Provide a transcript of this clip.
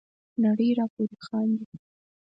نړۍ را پوري خاندي.